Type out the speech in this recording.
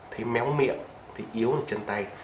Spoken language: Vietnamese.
thấy méo miệng thấy yếu trên tay